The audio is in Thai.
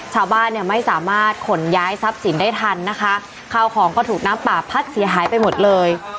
ชาวบ้านเนี่ยไม่สามารถขนย้ายทรัพย์สินได้ทันนะคะข้าวของก็ถูกน้ำป่าพัดเสียหายไปหมดเลย